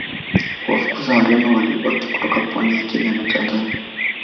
kuwafukuza Wareno waliobaki kutoka pwani ya Kenya na Tanzania